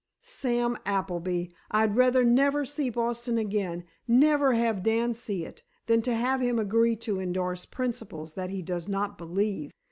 "Sam Appleby, I'd rather never see Boston again, never have Dan see it, than to have him agree to endorse principles that he does not believe!